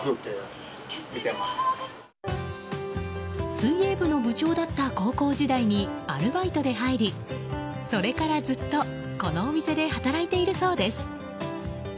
水泳部の部長だった高校時代にアルバイトで入りそれから、ずっとこのお店で働いているそうです。